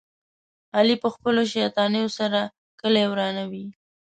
علي په خپلو شیطانیو سره کلي ورانوي.